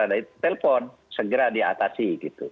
ada itu telpon segera diatasi